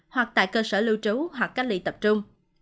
hoặc tại cơ sở lưu trú hoặc cách ly tập trung